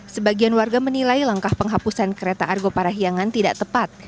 sebagian warga menilai langkah penghapusan kereta argo parahiangan tidak tepat